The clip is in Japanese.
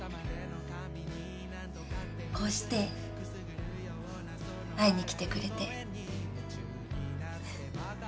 こうして会いに来てくれて。